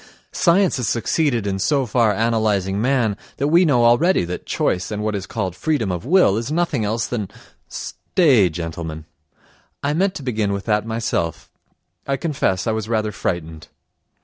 "Science has succeeded in so far analysing man that we know already that choice and what is called freedom of will is nothing else than—" Stay, gentlemen, I meant to begin with that myself I confess, I was rather frightened.